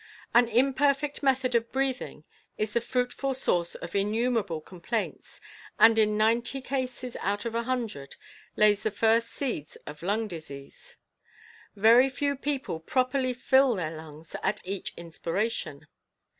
An imperfect method of breathing is the fruitful source of innumerable complaints, and in ninety cases out of a hundred lays the first seeds of lung disease. "Very few people properly fill their lungs at each inspiration.